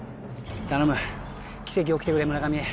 頼む奇跡起きてくれ村上。